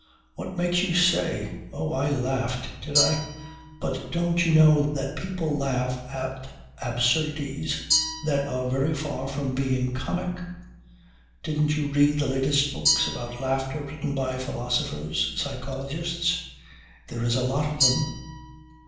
What makes you say? ... Oh, I laughed did I? But don't you know that people laugh at absurdities that are very far from being comic? Didn't you read the latest books about laughter written by philosophers, psychologists? There is a lot of them